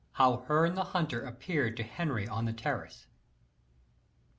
How Herne the Hunter appeared to Henry on the Terrace.